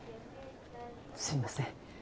すみません。